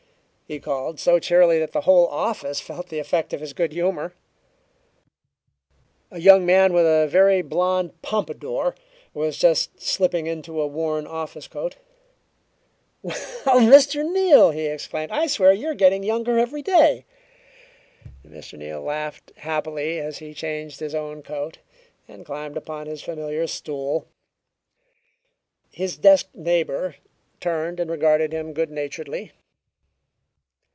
he called, so cheerily that the whole office felt the effect of his good humor. A young man with a very blond pompadour was just slipping into a worn office coat. "Well, Mr. Neal!" he exclaimed. "I swear you're getting younger every day!" Mr. Neal laughed happily as he changed his own coat and climbed upon his familiar stool. His desk neighbor turned and regarded him good naturedly.